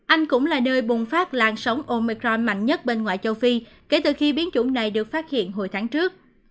anh cũng là nơi bùng phát làn sóng omicron mạnh nhất bên ngoài châu phi kể từ khi biến chủng này được phát hiện hồi tháng trước